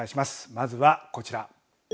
まずはこちら。